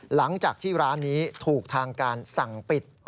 หลังจากที่ร้านนี้ถูกทางการสั่งปิด